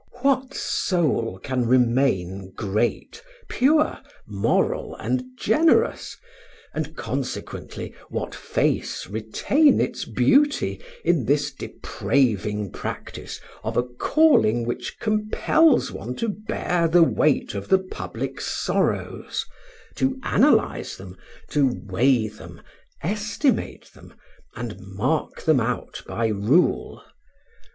What soul can remain great, pure, moral, and generous, and, consequently, what face retain its beauty in this depraving practice of a calling which compels one to bear the weight of the public sorrows, to analyze them, to weigh them, estimate them, and mark them out by rule?